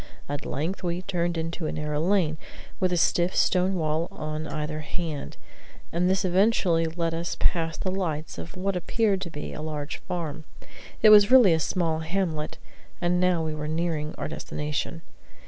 At length we turned into a narrow lane, with a stiff stone wall on either hand, and this eventually led us past the lights of what appeared to be a large farm; it was really a small hamlet; and now we were nearing our destination.